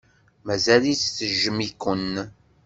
Mazal-itt tejjem-iken.